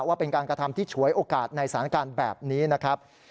ว่าเป็นการกระทำที่ฉวยโอกาสในสถานการณ์แบบนี้นะครับ